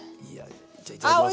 じゃあいただきます。